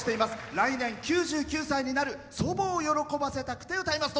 来年９９歳になる祖母を喜ばせたくて歌います。